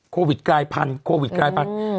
โควิดกลายพันธุโควิดกลายพันธุ์